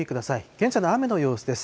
現在の雨の様子です。